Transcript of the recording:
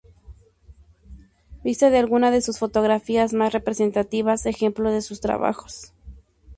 Vista de algunas de sus fotografías más representativas, ejemplos de sus trabajos.